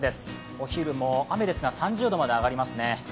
お昼も雨ですが３０度まで上がりますね。